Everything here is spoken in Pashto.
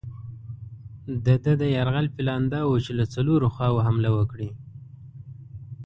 د ده د یرغل پلان دا وو چې له څلورو خواوو حمله وکړي.